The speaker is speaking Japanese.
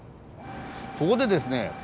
ここでですね